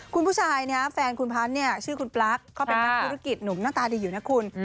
คุณผู้ชายนะแฟนคุณพันธ์เนี่ยชื่อคุณปลั๊กเขาเป็นนักธุรกิจหนุ่มหน้าตาดีอยู่นะคุณ